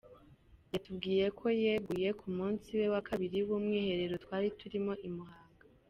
Yatubwiye ko yeguye ku munsi wa kabiri w’umwiherero twari turimo i Muhanga.